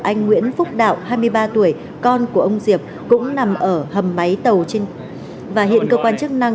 anh nguyễn phúc đạo hai mươi ba tuổi con của ông diệp cũng nằm ở hầm máy tàu và hiện cơ quan chức năng